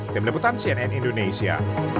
tim lebutan cnn indonesia